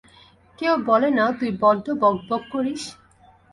কেউ বলে না তুই বড্ড বকবক করিস?